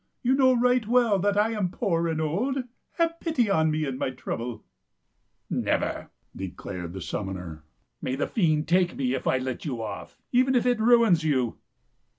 You know right well that I am poor and old. Have pity on me in my trouble." 134 tift^txaf&tak " Never," declared the summoner. " May the fiend take me if I let you off, even if it ruins you."